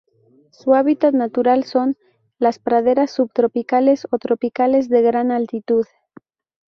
Su hábitat natural son: las praderas subtropicales o tropicales de gran altitud.